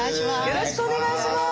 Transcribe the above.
よろしくお願いします。